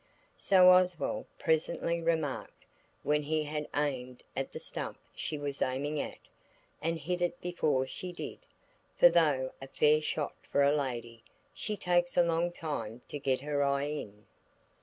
So Oswald presently remarked, when he had aimed at the stump she was aiming at, and hit it before she did, for though a fair shot for a lady, she takes a long time to get her eye in.